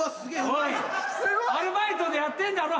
アルバイトでやってんだろ？